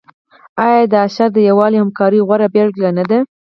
آیا اشر د یووالي او همکارۍ غوره بیلګه نه ده؟